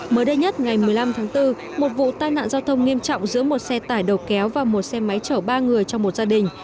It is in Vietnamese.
mới đây nhất ngày một mươi năm tháng bốn một vụ tai nạn giao thông nghiêm trọng giữa một xe tải đầu kéo và một xe máy chở ba người trong một gia đình